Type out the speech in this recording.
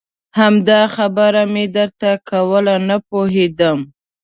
همدا خبره مې درته کوله نه پوهېدم.